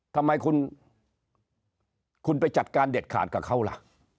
ทำไมคุณไปจัดการเด็ดขาดกับเขาล่ะ